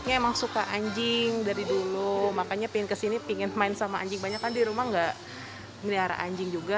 emang suka anjing dari dulu makanya pengen kesini pengen main sama anjing banyak kan di rumah gak melihara anjing juga